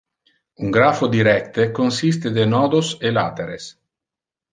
Un grapho directe consiste de nodos e lateres.